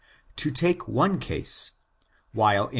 To take one case: while in vy.